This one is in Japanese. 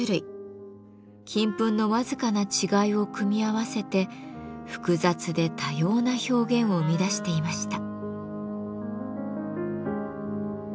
金粉の僅かな違いを組み合わせて複雑で多様な表現を生み出していました。